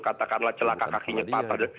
katakanlah celaka kakinya patah